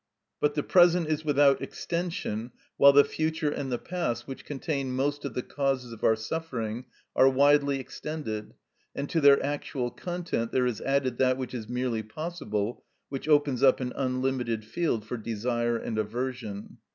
But the present is without extension, while the future and the past, which contain most of the causes of our suffering, are widely extended, and to their actual content there is added that which is merely possible, which opens up an unlimited field for desire and aversion.